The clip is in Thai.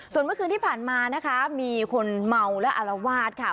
ส่วนเมื่อคืนที่ผ่านมานะคะมีคนเมาและอารวาสค่ะ